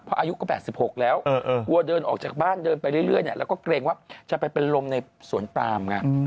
เพราะอายุก็๘๖แล้วกลัวเดินออกจากบ้านเดินไปเรื่อยแล้วก็เกรงว่าจะไปเป็นลมในสวนปามไง